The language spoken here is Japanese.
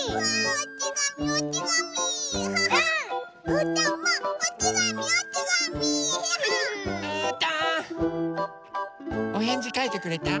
うーたんおへんじかいてくれた？